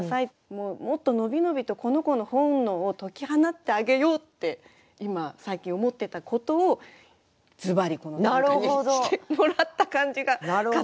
もうもっと伸び伸びとこの子の本能を解き放ってあげようって今最近思ってたことをズバリこの短歌にしてもらった感じが勝手にします。